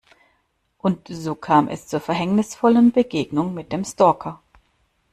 Und so kam es zur verhängnisvollen Begegnung mit dem Stalker.